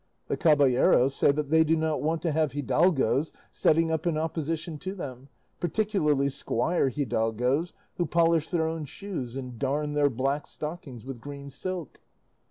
The caballeros say they do not want to have hidalgos setting up in opposition to them, particularly squire hidalgos who polish their own shoes and darn their black stockings with green silk."